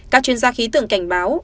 các chuyên gia khí tưởng cảnh báo